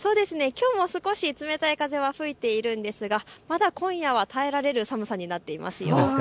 きょうも少し冷たい風は吹いているんですが、まだ今夜は耐えられる寒さになっています。